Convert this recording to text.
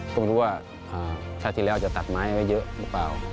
ก็ไม่รู้ว่าชาติที่แล้วจะตัดไม้ไว้เยอะหรือเปล่า